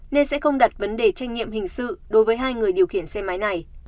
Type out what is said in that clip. nên sẽ không đặt vấn đề trách nhiệm hình sự đối với hai người điều khiển xe máy này